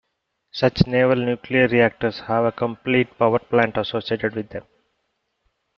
Such Naval nuclear reactors have a complete power plant associated with them.